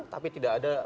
tapi tidak ada